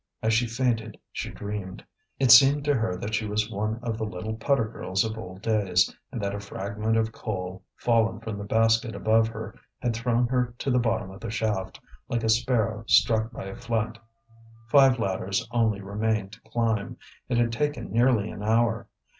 As she fainted she dreamed. It seemed to her that she was one of the little putter girls of old days, and that a fragment of coal, fallen from the basket above her, had thrown her to the bottom of the shaft, like a sparrow struck by a flint. Five ladders only remained to climb. It had taken nearly an hour.